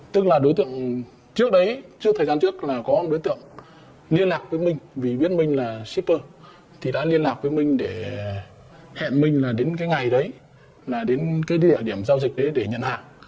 tức là đối tượng trước đấy trước thời gian trước là có đối tượng liên lạc với minh vì biết minh là shipper thì đã liên lạc với minh để hẹn minh là đến cái ngày đấy là đến cái địa điểm giao dịch đấy để nhận hàng